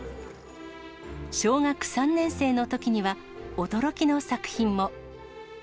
小学３年生のときには、驚きの作品も。